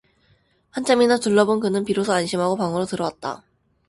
한참이나 둘러본 그는 비로소 안심하고 방으로 들어왔다.